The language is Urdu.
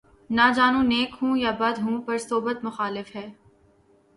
نہ جانوں نیک ہوں یا بد ہوں‘ پر صحبت مخالف ہے